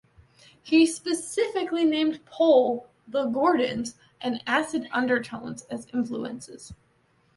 He specifically named Pole, The Gordons and Acid Undertones as influences.